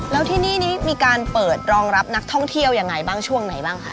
แล้วที่นี่นี้มีการเปิดรองรับนักท่องเที่ยวยังไงบ้างช่วงไหนบ้างคะ